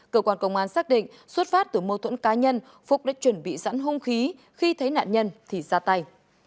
cơ quan công an xác định xuất phát từ mâu thuẫn cá nhân phúc đã chuẩn bị sẵn hung khí khi thấy nạn nhân thì ra tay